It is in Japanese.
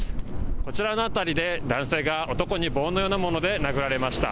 こちらの辺りで男性が男に棒のようなもので殴られました。